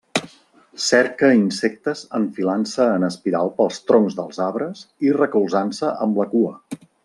Cerca insectes enfilant-se en espiral pels troncs dels arbres i recolzant-se amb la cua.